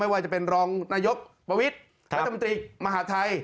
ว่าจะเป็นรองนายกประวิทย์รัฐมนตรีมหาทัย